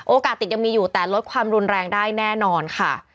ติดยังมีอยู่แต่ลดความรุนแรงได้แน่นอนค่ะ